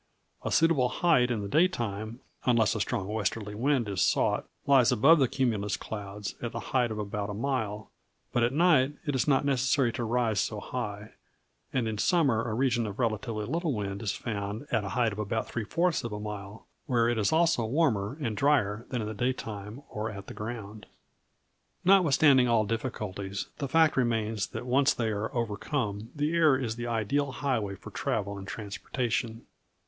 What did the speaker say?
A suitable height in the daytime, unless a strong westerly wind is sought, lies above the cumulus clouds, at the height of about a mile; but at night it is not necessary to rise so high; and in summer a region of relatively little wind is found at a height of about three fourths of a mile, where it is also warmer and drier than in the daytime or at the ground." Notwithstanding all difficulties, the fact remains that, once they are overcome, the air is the ideal highway for travel and transportation.